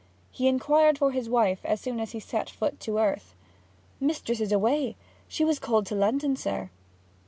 He inquired for his wife as soon as he set foot to earth. 'Mistress is away. She was called to London, sir.'